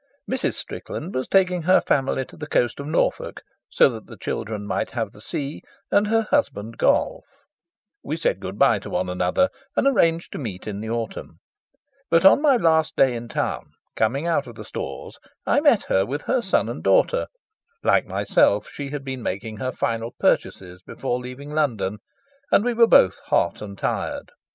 Mrs. Strickland was taking her family to the coast of Norfolk, so that the children might have the sea and her husband golf. We said good bye to one another, and arranged to meet in the autumn. But on my last day in town, coming out of the Stores, I met her with her son and daughter; like myself, she had been making her final purchases before leaving London, and we were both hot and tired.